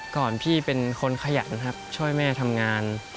ก่อนพี่เป็นคนขยันครับช่วยแม่ทำงาน